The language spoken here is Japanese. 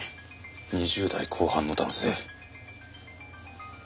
２０代後半の男性。